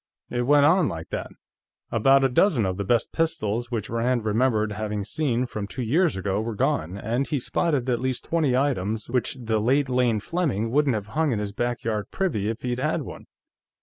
It went on like that; about a dozen of the best pistols which Rand remembered having seen from two years ago were gone, and he spotted at least twenty items which the late Lane Fleming wouldn't have hung in his backyard privy, if he'd had one.